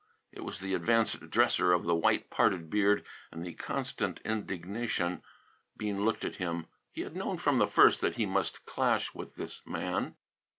It was the advanced dresser of the white parted beard and the constant indignation. Bean looked at him. He had known from the first that he must clash with this man.